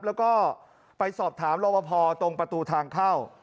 แล้วก็ไปสอบถามรอบพอตรงประตูทางเข้า